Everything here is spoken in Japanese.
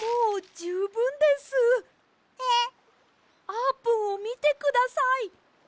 あーぷんをみてください。